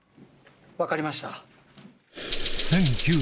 分かりました。